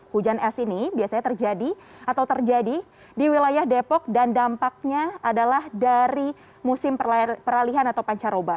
hujan es ini biasanya terjadi atau terjadi di wilayah depok dan dampaknya adalah dari musim peralihan atau pancaroba